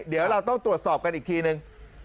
เดี๋ยวเราต้องตรวจสอบกันอีกทีนึง